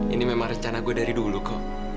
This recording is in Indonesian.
ini memang rencana gue dari dulu kok